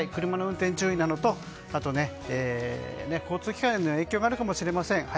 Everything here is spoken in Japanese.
車の運転にも注意なのと交通機関にも影響があるかもしれません。